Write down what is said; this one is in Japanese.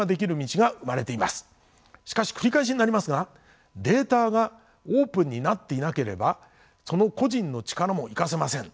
しかし繰り返しになりますがデータがオープンになっていなければその個人の力も生かせません。